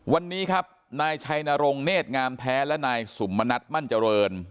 วันนี้ครับนายชัยนรงเนธงามแท้และนายสุมมณัฐมั่นเจริญ